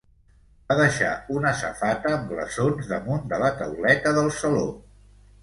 Va deixar una safata amb glaçons damunt de la tauleta del saló.